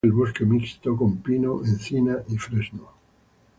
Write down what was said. En el municipio domina el bosque mixto con pino, encino y fresno.